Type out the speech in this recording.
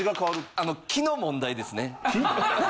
気の問題ですね。